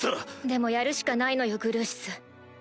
でもやるしかないのよグルーシス。